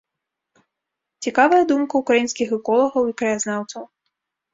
Цікавая думка ўкраінскіх эколагаў і краязнаўцаў.